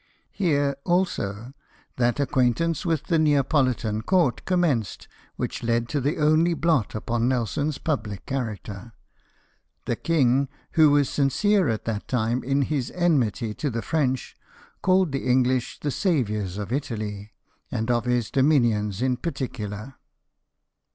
Here, also, that acquaintance with the Neapolitan court commenced which led to the only blot upon Nelson's public character. The king, who was sincere at that time in his enmity to the French, called the English the saviours of Italy, and of his dominions in particular.